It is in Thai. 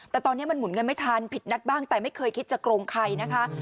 แต่ตอนนี้มันหมุนเงินไม่ทันผิดนัดบ้างแต่ไม่เคยคิดจะโกงใครนะคะ